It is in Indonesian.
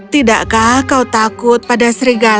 tidakkah kau takut pada serigala